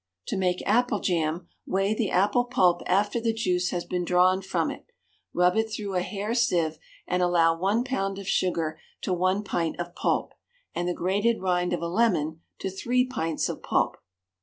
To make apple jam, weigh the apple pulp after the juice has been drawn from it, rub it through a hair sieve, and allow one pound of sugar to one pint of pulp, and the grated rind of a lemon to three pints of pulp.